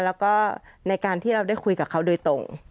แล้วก็ในการที่เราได้คุยกับเขาโดยตรง